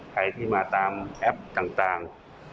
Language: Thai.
ใครที่มาตามแอปต่าง